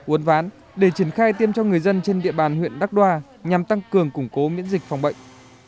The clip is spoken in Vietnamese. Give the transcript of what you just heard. uốn ván để triển khai tiêm cho người dân trên địa bàn huyện đắk đoa nhằm tăng cường củng cố miễn dịch phòng bệnh